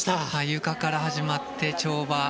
ゆかから始まって、跳馬。